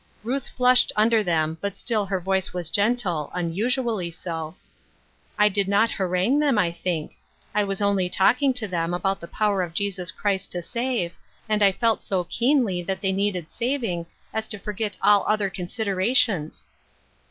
Ruth flushed under them, but still her voice was gentle, unusually so, —" I did not harangue them, I think ; I was only talking to them about the power of Jesus Christ to save, and I felt so keenly that they needed sav ing, as to forget all other considerations."